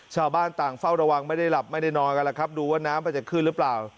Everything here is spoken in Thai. ชาวบ้านต่างเฝ้าระวังไม่ได้หลับไม่ได้นอนกันแล้วครับดูว่าน้ำมันจะขึ้นหรือเปล่า